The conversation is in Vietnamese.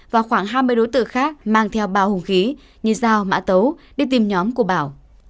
và khoảng hai mươi đối tượng khác mang theo bào hung khí như giao mã tấu đi tìm nhóm của bảo